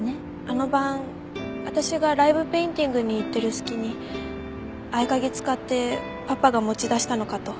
あの晩私がライブペインティングに行ってる隙に合鍵使ってパパが持ち出したのかと。